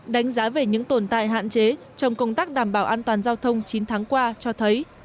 đánh giá về những tồn tại hạn chế trong công tác đảm bảo an toàn giao thông chín tháng qua cho thấy